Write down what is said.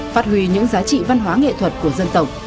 phát huy những giá trị văn hóa nghệ thuật của dân tộc